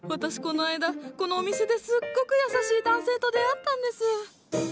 私この間このお店ですっごく優しい男性と出会ったんです。